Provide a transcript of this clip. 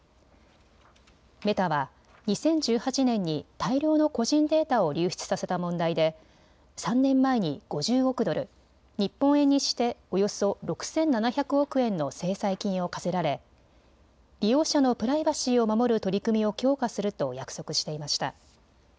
メタは２０１８年に大量の個人データを流出させた問題で３年前に５０億ドル、日本円にしておよそ６７００億円の制裁金を科せられ、利用者のプライバシーを守る取り組みを強化すると約束していました。